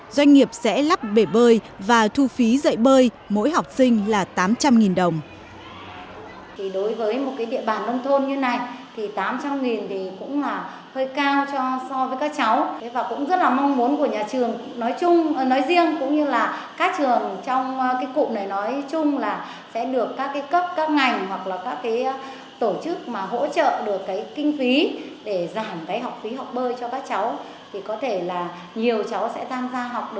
doanh nghiệp sẽ lắp bể bơi và thu phí dạy bơi mỗi học sinh là tám trăm linh đồng